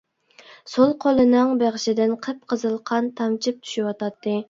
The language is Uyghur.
سول قولىنىڭ بېغىشىدىن قىپقىزىل قان تامچىپ چۈشۈۋاتاتتى.